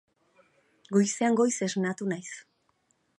Goizean goiz esnatu naiz.